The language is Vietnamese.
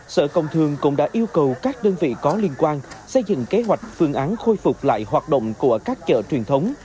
sở công thương cũng đã yêu cầu các đơn vị có liên quan xây dựng kế hoạch phương án khôi phục lại hoạt động của các chợ truyền thống